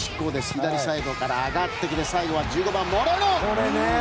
左サイドから上がってきて最後はモレーノ。